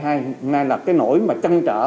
hôm nay là cái nỗi mà chăn trở